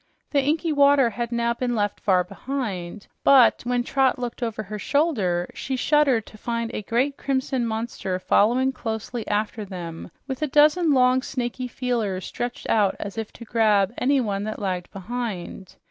The inky water had now been left far behind, but when Trot looked over her shoulder, she shuddered to find a great crimson monster following closely after them, with a dozen long, snaky feelers stretched out as if to grab anyone that lagged behind.